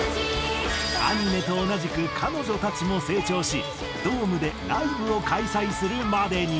アニメと同じく彼女たちも成長しドームでライブを開催するまでに。